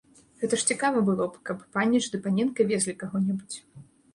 Гэта ж цікава было б, каб паніч ды паненка везлі каго-небудзь.